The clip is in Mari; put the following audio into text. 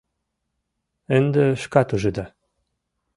— Ынде шкат ужыда...